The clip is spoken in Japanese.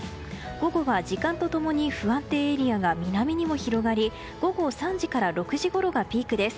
午後は時間と共に不安定エリアが南にも広がり午後３時から６時ごろがピークです。